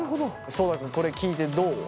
そうた君これ聞いてどう？